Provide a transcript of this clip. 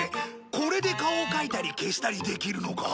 これで顔を描いたり消したりできるのか？